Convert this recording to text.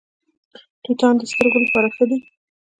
توتان د سترګو لپاره ښه دي.